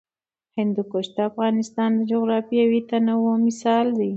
هندوکش د افغانستان د جغرافیوي تنوع مثال دی.